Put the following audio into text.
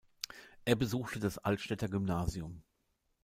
Er besuchte das Altstädter Gymnasium.